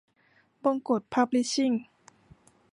บงกช พับลิชชิ่ง